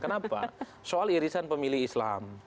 kenapa soal irisan pemilih islam